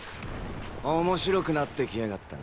おもしろくなってきやがったな。